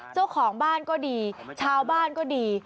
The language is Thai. เจ้าของบ้านก็ดีชาวบ้านก็ดี